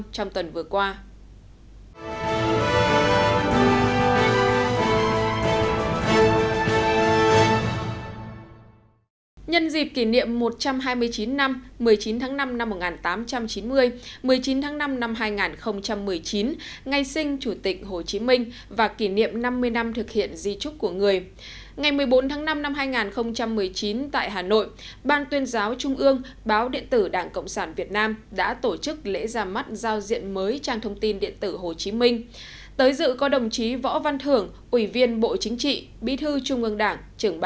tới dự có đồng chí võ văn thưởng ủy viên bộ chính trị bí thư trung ương đảng trưởng ban tuyên giáo trung ương